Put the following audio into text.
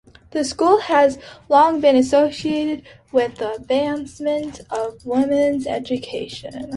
The school has long been associated with the advancement of women's education.